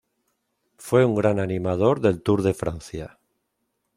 Fue un gran animador del Tour de Francia.